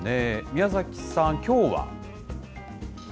宮崎さん、きょうは？